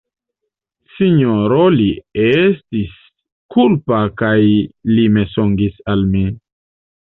Sinjoro Li estis kulpa kaj li mensogis al mi!